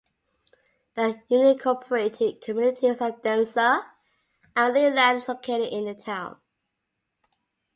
The unincorporated communities of Denzer, and Leland are located in the town.